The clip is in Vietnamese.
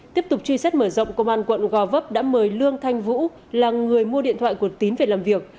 tiếp tục truy xét mở rộng công an quận gò vấp đã mời lương thanh vũ là người mua điện thoại của tín về làm việc